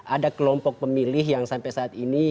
ada kelompok pemilih yang sampai saat ini